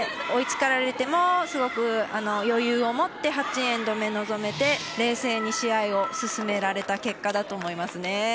追いつかれてもすごく余裕を持って８エンド目、臨めて冷静に試合を進められた結果だと思いますね。